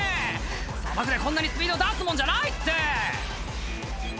「砂漠でこんなにスピード出すもんじゃないって」